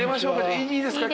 いいですか？